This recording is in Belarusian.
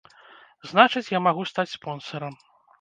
Значыць, я магу стаць спонсарам.